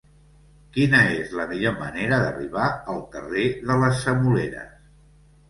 Quina és la millor manera d'arribar al carrer de les Semoleres?